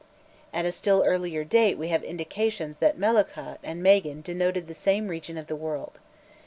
At a still earlier date we have indications that Melukhkha and Magan denoted the same region of the world.